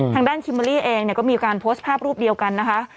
ทางด้านคิมลี่เองก็มีการโพสต์ภาพรูปเดียวกันนะคะ